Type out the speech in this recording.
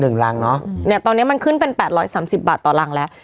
หนึ่งรังเนอะเนี้ยตอนเนี้ยมันขึ้นเป็นแปดร้อยสามสิบบาทต่อรังแล้ว